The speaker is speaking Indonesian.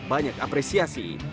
dan banyak apresiasi